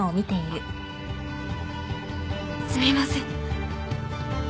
すみません。